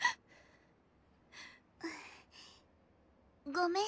ごめん。